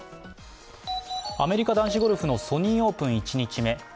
アメリカ男子ゴルフのソニーオープン１日目。